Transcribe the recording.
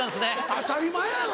当たり前やろ！